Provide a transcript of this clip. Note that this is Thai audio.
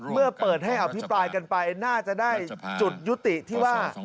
เมื่อเปิดให้อภิปรายกันไปน่าจะได้จุดยุติที่ว่า